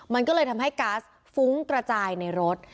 มันก็เลยทำให้ก๊าซฟุ้งกระจายในรถ